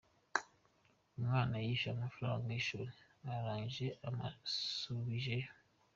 Umwana yishyuye amafaranga y’ishuri, ararangije umusubijeyo? “.